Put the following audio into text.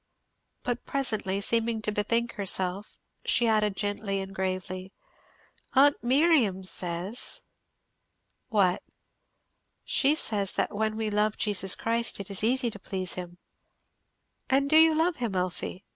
But presently, seeming to bethink herself, she added gently and gravely, "Aunt Miriam says " "What?" "She says that when we love Jesus Christ it is easy to please him." "And do you love him, Elfie?"